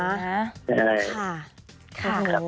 ยังรักรักอยู่นะ